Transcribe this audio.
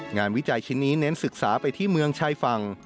วิจัยชิ้นนี้เน้นศึกษาไปที่เมืองชายฝั่ง